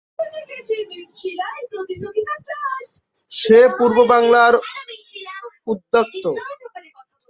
সে পূর্ববাংলার উদ্বাস্তু।